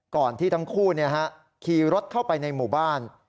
ก่อนที่ทั้งคู่ขี่รถเข้าไปในหมู่บ้าน